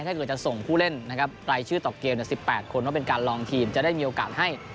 ถ้าเกิดจะส่งผู้เล่นนะครับรายชื่อต่อเกม๑๘คนว่าเป็นการลองทีมจะได้มีโอกาสให้